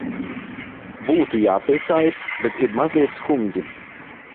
Būtu jāpriecājas, bet ir mazliet skumji.